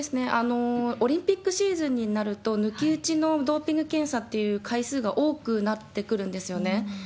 オリンピックシーズンになると、抜き打ちのドーピング検査の回数が多くなってくるんですよね。